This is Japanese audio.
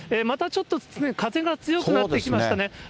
またちょっと風が強くなってきましたね。